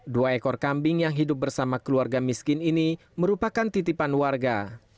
dua ekor kambing yang hidup bersama keluarga miskin ini merupakan titipan warga